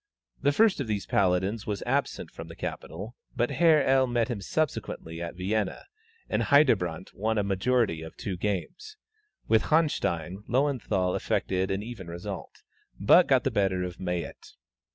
The first of these paladins was absent from the capital, but Herr L. met him subsequently at Vienna, and Heyderbrandt won a majority of two games. With Hanstein, Löwenthal effected an even result, but got the better of Mayet.